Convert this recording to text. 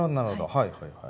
はいはいはい。